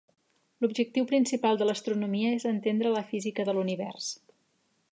L'objectiu principal de l'astronomia és entendre la física de l'univers.